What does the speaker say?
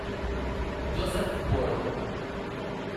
Joseph Ward